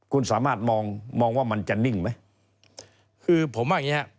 คุณสามารถมองว่ามันจะนิ่งไหม